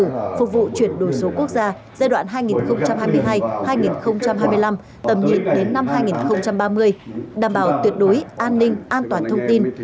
phục vụ chuyển đổi số quốc gia giai đoạn hai nghìn hai mươi hai hai nghìn hai mươi năm tầm nhìn đến năm hai nghìn ba mươi đảm bảo tuyệt đối an ninh an toàn thông tin